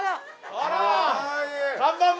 あら！